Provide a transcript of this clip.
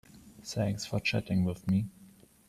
Thanks for chatting with me.